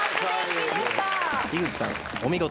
井口さん、お見事。